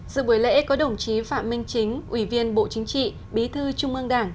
dự buổi lễ có đồng chí phạm minh chính ủy viên bộ chính trị bí thư trung ương đảng